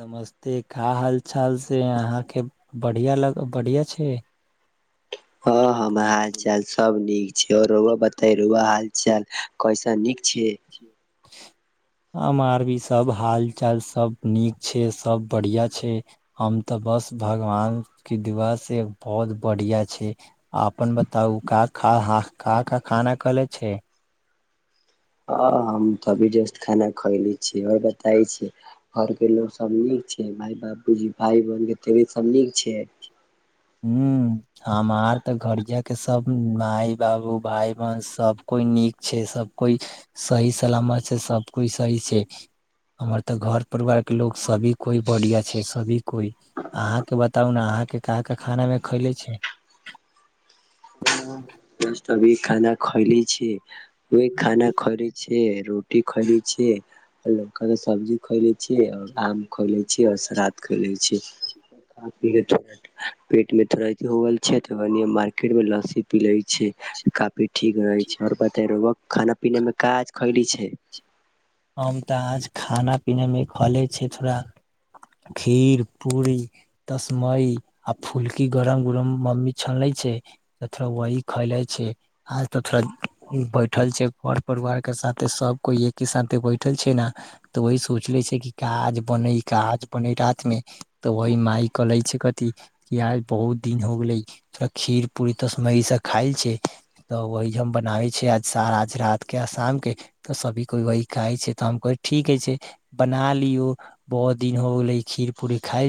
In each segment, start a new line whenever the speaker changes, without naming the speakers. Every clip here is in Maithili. नमस्ते का हाल चाल से अहाँके बढ़ियाँ लग, बढ़ियाँ छै।
हाँ हमर हाल चाल सब नीक। रुउवा बताइ, रुउवा हाल चाल कैसा नीक छै।
हमार भी सब हाल चाल सब नीक छै, सब बढ़ियाँ छै, हम ते बस भगवानके दुआ से बहोत बढ़ियाँ छै, अपन बताउ का खा हा का का खाना खयले छै।
आ हमते अभी जस्ट खाना खयले छीयै और बताय छी घर के लोग सब नीक छै, माय, बाबूजी, भाय, बहिन के तबियत सब नीक छै।
हुं। हमार ते घर जा के सब माय, बाबू, भाय, बहन सब कोइ नीक छै, सब कोइ सही सलामत छै, सब कोइ सही छै, हमर ते घर परिवार के लोग सभी कोइ बढ़िया छै सभी कोइ, अहाँ के बताउ ने अहाँके का के खाना मे खैले छै।
जस्ट अभी खाना खैले छी। ओय खाना खरे छीये रो टी खएले छिये, लौका का सब्जी खएले छियै और आम खएले छी और सलाद खएलै छी। खा पीके थोड़ा थोड़ा पेट मे थोड़ा बानी, मार्केट में लस्सी पी ले छै। काफी ठीक रहै छै और बताय रउवा खाना पीना मे का आज खैली छै।
हम ते आज खाना पीना मे खले छी थोड़ा खीर, पूरी, तस्मय आ फुलकी गरम गरम मम्मी छनले छै त थोड़ा वही खएले छी, आज तऽ थोड़ा बैठल छै घर परिवार के साथे सब कोइ एके साथ ते बैठल छै ने ते वही सोचले छै कि का आज बने, का आज बने रात मे ते वही माई कले छै कथी की आय बहुत दिन हो गेले अ खीर, पूरी, तस्मय इ सब खायल छै तऽ वहि हम बनावे छिये, आज सारा आज रात के आ शाम के ते सभी कोइ वही खाय छै ते हम कहे ठीके छै बना लियौ बहोत दिन हो गेले खीर, पूरी खाय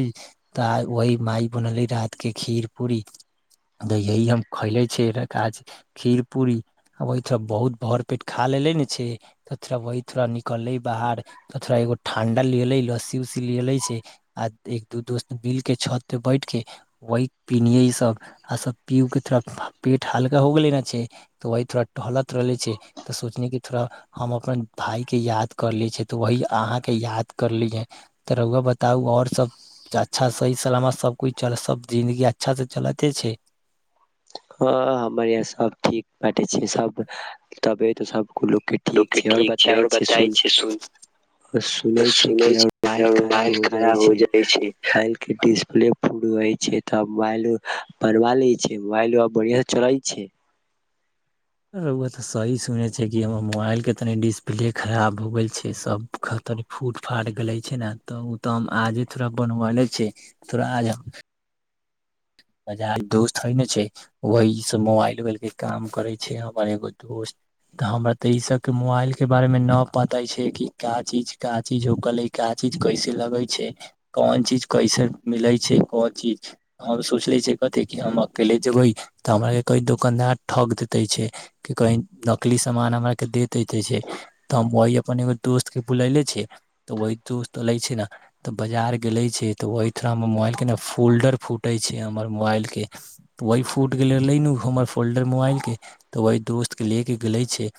तऽ आय वही माय बनेले रात के खीर पूरी यही हम खैले छै, रखा छै खीर पूरी ओयठा बहुत भर पेट खा लेले ने छी त थोड़ा वही थोड़ा निकले बाहर ते थोड़ा एगो ठंडा लेले लस्सी उस्सी लेले छै आ एक दू दोस्त बिल के छत पे बैठ के वही पीनिये सब आ सब पी उ के थोड़ा पेट हल्का हो गेले ने छै तऽ वही थोड़ा टहलत रहले छै तऽ सोचनी की थोड़ा हम अपन भायके याद करले छै तऽ वही अहाँके याद करलीहे ते रुउवा बताउ और सब अच्छा सही सलामत सब कुछ चल सब जिंदगी अच्छा से चलते छै।
हाँ हमर यहां सब ठीक बाटे छै सब, तबे ते सब लोकके ठीक छै और बताय छै सुन सुनै छै कि रोउर मोबाएल खराब हो जाय छै, मोबाएल के डिस्प्ले छै तब मुबाएलो बनवा ले छै, मुबाएलो अ बढ़ियाँ चलय छै।
रोउवा ते सही सुनै छै कि हमर मुबाएल के तनि डिस्प्ले खराब हो गेल छै, सब फूट फाट गलै छै ने ते उ ते हम आजे थोड़ा बनबाएले छी, थोड़ा आज हम हजार दोस्त हय ने छै, वही से मुबाएल उबाएलके काम करै छै, हमर एगो दोस्त ते हमरा ते इ सबके मुबाएल के बारेमे ना पता छै कि का चीज का चीज होकल ए का चीज कैसे लगै छै, कोन चीज कैसे मिलै छै, कोन चीज हम सोचले छै कथी की हम अकेले जेबे ते हमरा के कही दुकानदार ठग देते छै की कही नकली समान हमरा के दे देते छै तऽ हम वहि अपन एगो दोस्त के बुलैले छिये ते वही दोस्त एले छै ने ते बजार गेले छै त वही थोड़ा हमर मुबाएल के ने फोल्डर फो टे छै हमर मुबाएल के वही फूट गेले [unintelligible] ने उ हमर फोल्डर मुबाएल के त वही दोस्त के ले के गेले छै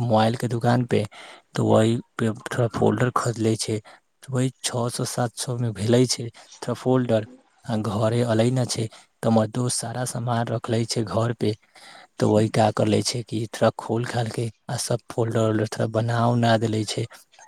मुबाएल के दुकान पे त वही पे थोड़ा फोल्डर खोदले छै, वहि छ सौ, सात सौ मे भेले छै थोड़ा फोल्डर आ घरे अले ने छै त हमर दोस्त सारा समान रखले छै घर पे तऽ वहि काय कर ले छै कि थोड़ा खोल खालके आ सब फोल्डर ओलडर थोड़ा बना उना देले छै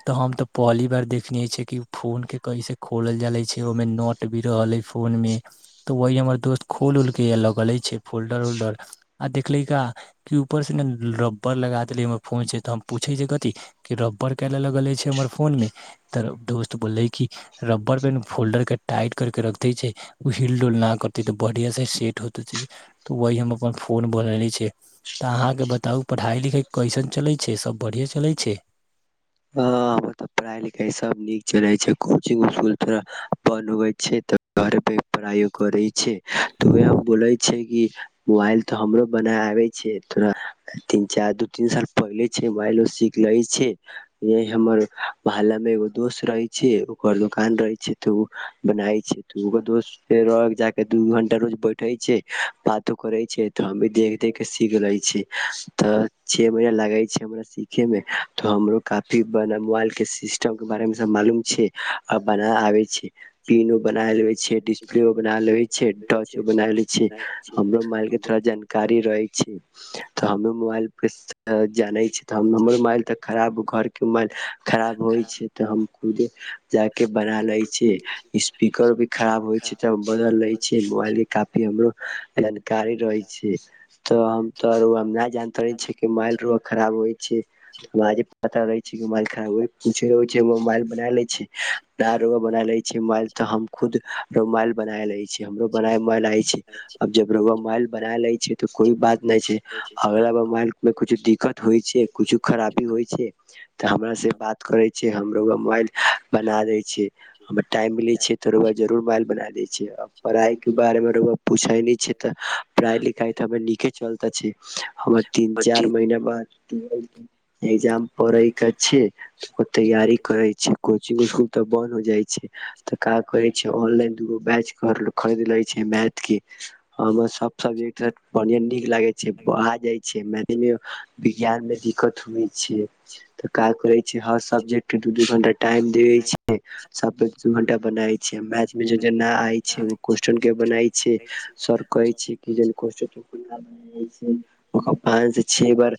तऽ हम तऽ पहली बार देखने छै कि फोन के कैसे खोलल जाले छै, ओ मे नोट भी रहले फोन मे। तऽ वही हमर दोस्त खोल उल के या लगले छै फोल्डर उल्डर आ देखली का कि ऊपर से ने रबर लगा देले हमर फोन छै त हम पूछे छै कथी की रबर काहे ले लगले छै हमर फोन में ते दोस्त बोलले की रबर पे ने फोल्डर के टाइट कर के रख दे छै उही ढिल डुल नहि करतै तऽ बढ़िआँसँ सेट होते तऽ वही हम अपन फोन बनने छियै तऽ अहाँके बताउ पढ़ाइ लिखाइ कैसन चलै छै सभ बढ़िआँ चलै छै।
ह पढ़ाई लिखाई सब नीक चले छै कोचिंग उचंग थोड़ा बनबे छै त घर पे पढ़ाइयो करे। छै तऽ उ हम बोलै छिय कि। मोबाइल तो हमरो बना आबे छै तो तीन चार दू तीन साल पहिले छै मोबाइलो सीख ले छै। हमर मोहल्ला मे एगो दोस्त रहे छै ओकर दुकान रहे छै त ओ बनाय छै ओहि दोस्त लग जा क दू घंटा रोज बैठे छै बातो करे छै त हम देख देख के सीख ले छ त छे महीना लागे छै हमरा सीखे मे त हमरो काफी ब मोबाइल के सिस्टम के बारे मे सब मालूम छै आ बना आबे छै। पिनो बना लेबे छियै डिस्प्लेओ बना लेबे छियै टॉर्चो बना ले छियै हमरो मोबाइल के थोड़ा जानकारी रहे छै तऽ हममे मोबाइल के जानै छी तऽ हमर मोबाइल तऽ खराब। घर केँ मोबाइल। खराब होइ छै त हम। खुद जाके बना लै छियै स्पीकर भी खराब होइ छै त बदलि लै छियै मोबाइलके काफी हमरो जानकारी रहै छै त हम तो नहि जानते रहै छियै कि माल खराब होइ छै बता दैत छी कि माल खराब अछि। मोबाइल बना ले छै बनाे छै मोाइल त हम खुद मोबाइल बना ले छी हमरो बना मोबाइल आयब ज मोबाइल बना ले छै। तऽ कोइ बात नहि छै हमरा मोबाइल में कछु दिक। कट होइ छै, कुछो खराबी होइ छै। त हमरा से बात करै छी। छै हमरो मोबाइल। बना दै छै हमर टाइम मिले छै त जरूर मोबाइल बना देै छ पढ़ाई के बारे मे तऽलं। [unintelligible] पूछे नहि छै त पढ़ाई लिखाई त नीके चलताे छै हमर तीन चार महीना बाद। तऽ जे तजाम। [inaudible] पढै त छी [unintelligible] ओ तैयारी करै छै। [unintelligible] कोचिंग इसकुल त बंन्द हो जाइ छै त का कहै छै ऑनलाइन दूगो बैच खरीद ले छै मैथ के त ओहिमे सब सबजेक्ट बढ़िआं नीक लागे छै आ जाइ छै मैथ मे विज्ञान मे दिक्कत होइ छै। त का करै छै हर सब्जेक्ट दू दू घंटा टाइम देे छै सब पे दू दू घंटा बनाय छै मैथ में जे जे न आय छै क्वेशस्चन के बनाय छै सर कहे छै कि जे कष्टै। [inaudible] से ओ बा [unintelligible] छै बार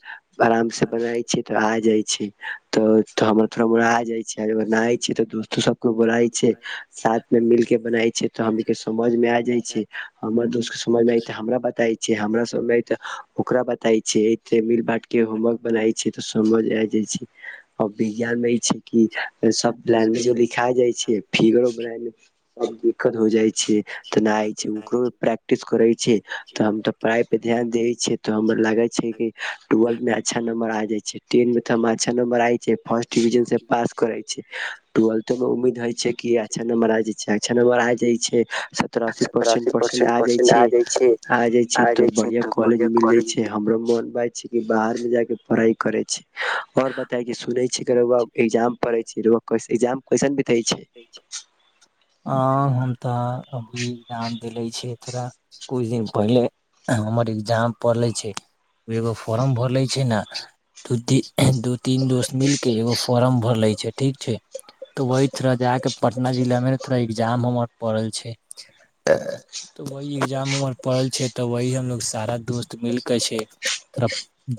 आराम से बनाइ छी त आइ छै त हमर थोडा उड़ा जाइ छै न छिय त दोस्तो सब। [unintelligible] बोलाइ छै सात सब मिलके बनाई। छै तऽ हमनी के समझ मे आ जाय छैय हमर दोस्त के समझमे आयते हमरा बताै छैय हमरा समझमे तऽ। ओकरा बाद। तय छैय तऽ मिल बट के होमवर्क बनाय छैय तऽ समझ। जाइ जाइ छै। आ विज्ञान मे इ छै कि सब प्लान मे जो लिखाय जाइ छैय फिगरो बनात आबी। कतौ जाइ। [unintelligible] तऽ ओकरो प्रैक्टिस करै छैय तऽ हम तऽ पढ़ाइ पर ध्यान दै छियै तऽ हमर लागै छै कि ट्वेलथ मे अच्छा नं्बर आ जाइ छैय। तीन मे त हम अच्छा नम्बर आए छैय फर्स्ट डविजन से पास करै। छैय टूवेल्थ मे उम्मद होइ छैय। की अच्छा नंबर आ जाए। [unintelligible] जाइ छैय। सतर अस्सी परसेंट परसेंट आ जाय छैय आ जाय छैय तो बढ़िया कॉलेज मिल जाय छैय हमरो मन बात। बाहर मे जा के पढ़ाइ करै छैय। और बताय सुनै ही एग्जाम पढ़े छैय कैसे एग्जाम। कैसन बिते छै
[unintelligible] आ हम तऽ अभी गाम। देले छैय थोड़ा कुछ दिन पहिले हमर एग्जाम पड़ले छैय एगो फोर्म भरले छैय ने दू तीन दोस्त मिल के एगो फोारम भरले छैयठीक छैय तऽ व। थोड़ा जाके पटना जिलामे ने थोड़ा एग्जाम हमर पड़ल छैय वह एग्जाम हमर पड़ल छैय तऽ वही हमलोग सारा दोस्त मिलके छैय थोड़ा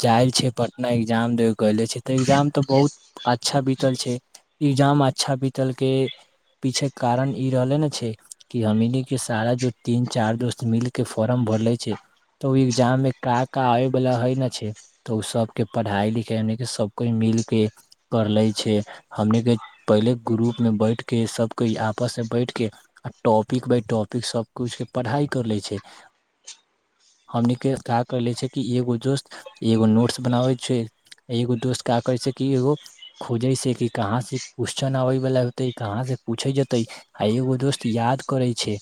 जाइ छै पटना एग्जाम देले छ तऽ एग्जाम तऽ बहुत अच्छा बीतल छैय एग्जाम अच्छा बीत। ल के पीछे कारण ई रहले ने छैय कि हमने सारा जो तीन चार दोस्त मिल के फोर्म भरले छैय तऽ ओ एग्जाम मे का का आबे वाला हे ने छैय तऽ ओ सबके पढ़ाई लिखाई हम के सब कोइ मिल के करले छैय हमन के पहिले। [unintelligible] ग्रुप मे बैठ के सब कोई आपस मे बैठ के आ टॉपिक बााय टॉपिक सब कछ के पढ़ाई करले छैय हमने का करले छै कि एगो दोस्त एगो नोट्स बनाबे छै एगो दोस्त का करे छै कि एगो खोजे छै कि कहाँ से क। आबे वाला होते कहाँ से पूछे जेते आ एगो दोस्त याद करे छैय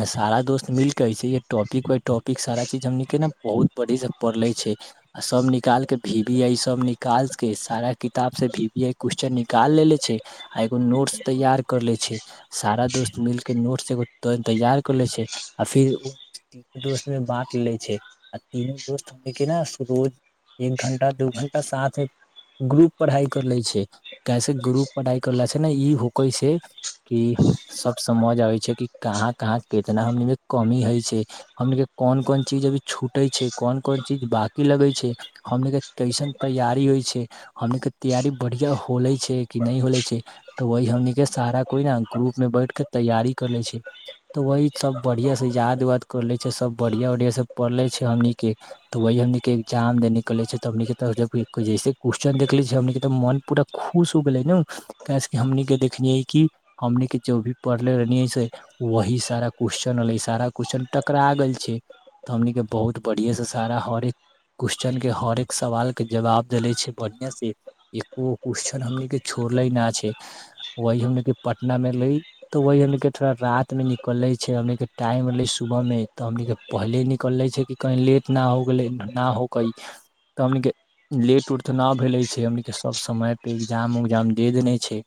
आ सारा दोस्त मिल केसे टॉपिक बााय टॉपिक सारा चीज हमन के ने बहुत बढ़ी से पढ़ले छै आ सब निकाल के भी भी आई सब निकाल के सारा किताब से भी भी आई क्वेेश्चन निकाल लेले छैय। छैय एगो नोट्स तैयार कर लै छैय सारा दोस्त मिलके एगो नोट्स तैय कर ले छैय आ फिर दोस्त में बाँट ले छैय अ तीनों दोस्त मिलके न रोज एक घण्टा दू घण्टा साथ ग्रुप पढ़ाइ कर ले छैय कैसे ग्रुप। पढ़ाइ करलास छैय ने ई होकै छैय कि सब समझ अबै छैय कि कहाँ कहाँ कितना हमने कमी हइ छैय, हमने कोन कोन चीज अभी छूटै छैय, कोन कोन चीज बकी लगै छैय, हमने कैसन तैयारी होइ छैय, हमने की तैयारी बढ़िआँ होले छैय। होले छै त वी हमन के सारा कोई ने ग्रुप में बैठ के तैयारी करले छै त वही सब बढ़िया से याद वाद करले छै सब बढ़िया वढ़िया से पढ़ले छै हमनीक के त वही हमनीक के एग्जाम दे निकले छै हम के जैसे क्वेेश्चन देखले छै हमन के मन पूरा खुश। उ भेलय नै केस हमनी के देखनिये की हमनी के जो भी पढ़ले रहल वही सारा क्वेेशनल सारा क्वेश्चन टकरा गेल छै त हमन के बहुत बढ़िया से सारा हर क्वेेश्चन के हरेक सवाल के जवाब देले छै बढ़िया से एकोगे क्व। हमनीके छोड़ले न छैय वही हमनीके पटनामे एलै तऽ वही हमनीके थोड़ा रातिमे निकलले छैय हमनीक हमनीके पहले निकलले छैय कि कहीं लेट न हो गेलै न होकै तऽ हमनीके लेट उट तऽ नहि भेले छैय हमनीके सब समय। एग्जाम उग्जाम दे देने छैय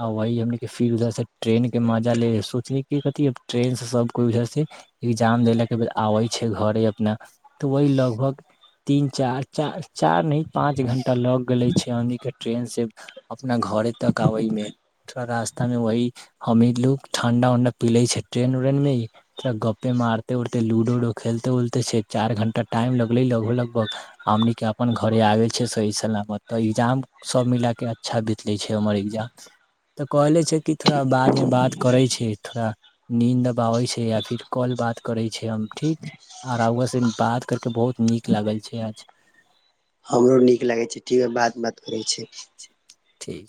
आ वह हमनी के फिर उधर से ट्रेन के मजा ले सोचले की कथि ट्रेन से सब केई उधर से ए्जाम देेले के ब आवे छैय घरे अपना तऽ वह लगभग तीन चार चार चार न पांच घंटा लग गेले छैय हमनी के ट्रेन से। [unintelligible] अपना घरे तक आबे मे थो रास्ता मे वह हमी लोग ठंडा उंडा पिले छैय ट्रेन उरेन मे थोा गपे मारते उरते लूडो उडो खेलते उलते छैय चार घंटा टाइम लगले लगभग लगभग हमन के अपन घरे आगे छैय सही सलामतजाम त इग्जाम सब मिल के। अच्छा बीतलै छैय हमर एग्जाम तऽ कहले छैय कि थोड़ा बादमे बात करै छैय थोड़ा नीन्द आब आबै छैय या फिर कॉल बात करै छैय हम ठीक आर रौवा से बात करि कऽ बहुत नीक लागल छैय आज।
हमरो नीक लागै छैय ठीक बाद में बात करै छी।
ठीक।